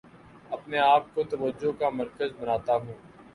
اپنے آپ کو توجہ کا مرکز بناتا ہوں